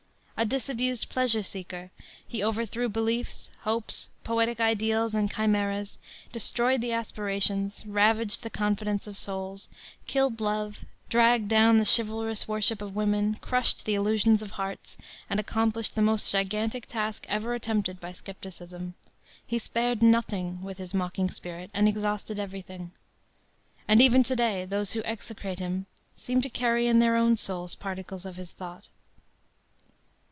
A disabused pleasure seeker, he overthrew beliefs, hopes, poetic ideals and chimeras, destroyed the aspirations, ravaged the confidence of souls, killed love, dragged down the chivalrous worship of women, crushed the illusions of hearts, and accomplished the most gigantic task ever attempted by scepticism. He spared nothing with his mocking spirit, and exhausted everything. And even to day those who execrate him seem to carry in their own souls particles of his thought.